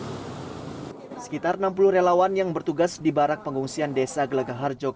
hai sekitar enam puluh relawan yang bertugas di barak pengungsian desa gelagah harjok